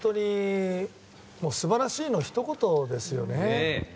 素晴らしいのひと言ですよね。